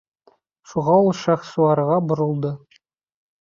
Шуға ул Шахсуарға боролдо.